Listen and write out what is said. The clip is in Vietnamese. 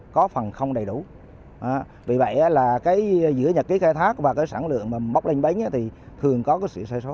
có phần không đầy đủ vì vậy là cái giữa nhật ký khai thác và cái sản lượng mà bóc lên bánh thì thường có sự xây số